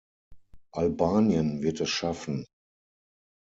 Albanien wird es schaffen.